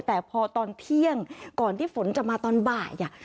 แต่พอตอนเที่ยงก่อนที่ฝนจะมาตอนบ่าย